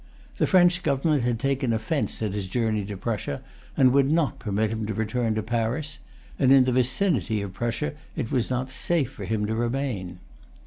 The French government had taken offence at his journey to Prussia, and would not permit him to return to Paris; and in the vicinity of Prussia it was not safe for him to remain.